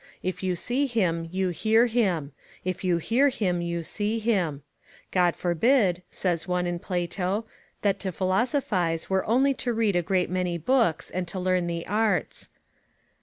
If you see him, you hear him; if you hear him, you see him. God forbid, says one in Plato, that to philosophise were only to read a great many books, and to learn the arts.